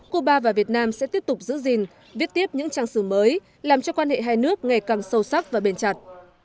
cuba và việt nam sẽ tiếp tục giữ gìn viết tiếp những trang sử mới làm cho quan hệ hai nước ngày càng sâu sắc và bền chặt